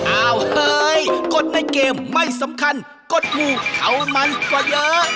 อ้าวเฮ้ยกดในเกมไม่สำคัญกดถูกเอามันกว่าเยอะ